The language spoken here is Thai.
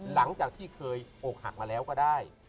หลังจากที่เคยอกหักมาแล้วก็ได้